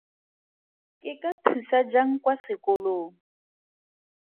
Ke ka thusa jang kwa sekolong.